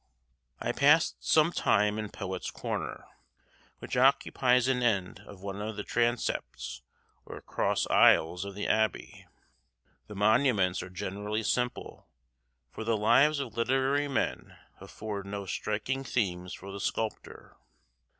I passed some time in Poet's Corner, which occupies an end of one of the transepts or cross aisles of the abbey. The monuments are generally simple, for the lives of literary men afford no striking themes for the sculptor.